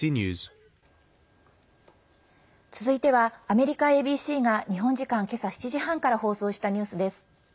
続いてはアメリカＡＢＣが日本時間、今朝７時半から放送したニュースです。